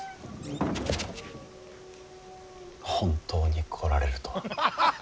本当に来られるとは。